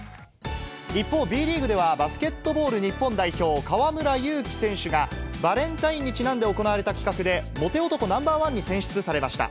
一方、Ｂリーグではバスケットボール日本代表、河村勇輝選手が、バレンタインにちなんで行われた企画で、モテ男ナンバー１に選出されました。